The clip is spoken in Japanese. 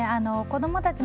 子どもたち